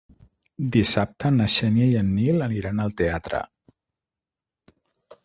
Dissabte na Xènia i en Nil aniran al teatre.